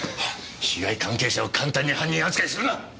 被害関係者を簡単に犯人扱いするな。